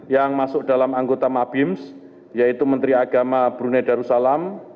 yang masuk dalam anggota mabims yaitu menteri agama brunei darussalam